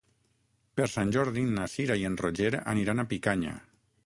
Per Sant Jordi na Cira i en Roger aniran a Picanya.